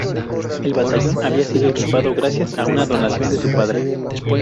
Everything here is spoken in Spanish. El batallón había sido equipado gracias a una donación de su padre.